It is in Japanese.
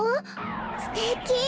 すてき！